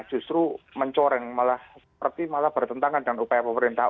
justru mencoreng malah bertentangan dengan upaya pemerintah